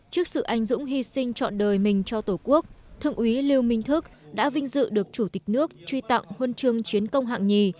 trước sự ảnh dụng hy sinh trọn đời mình cho tổ quốc thượng úy lưu minh thức đã vinh dự được chủ tịch nước truy tặng huân trương chiến công hạng nhì